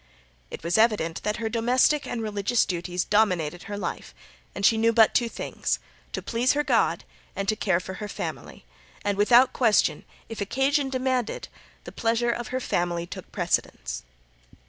It was evident that her domestic and religious duties dominated her life, and she knew but two things to please her God and to care for her family, and without question if occasion demanded the pleasure of her family took precedence.